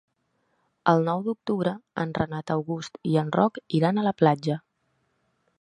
El nou d'octubre en Renat August i en Roc iran a la platja.